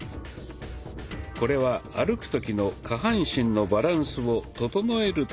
これは歩く時の下半身のバランスを整えるための運動。